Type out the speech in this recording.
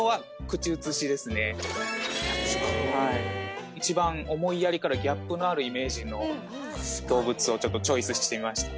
口かはい一番思いやりからギャップのあるイメージの動物をちょっとチョイスしてみました